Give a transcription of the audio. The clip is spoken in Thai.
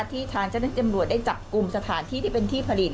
ที่ทางเจ้าแรงจำนวนได้จับกลุ่มสถานที่ที่เป็นที่ผลิต